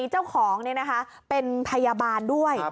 เจ้าของเป็นพยาบาลด้วย